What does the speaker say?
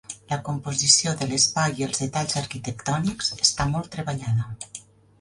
La composició de l'espai i els detalls arquitectònics està molt treballada.